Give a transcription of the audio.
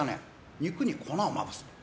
肉に粉をまぶすの。